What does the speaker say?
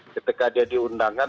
ketika dia diundangkan